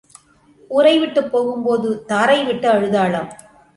ஊரை விட்டுப் போகும்போது தாரை விட்டு அழுதாளாம்.